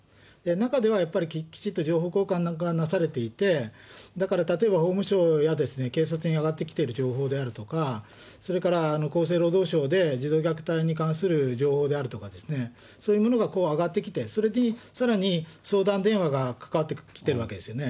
中ではやっぱりきちっと情報交換なんかなされていて、だから例えば、法務省や警察にあがってきてる情報であるとか、それから厚生労働省で児童虐待に関する情報であるとかですね、そういうものがこう、上がってきて、それでさらに相談電話がかかってきてるわけですよね。